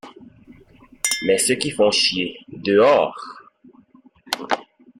Mais ceux qui font chier, dehors!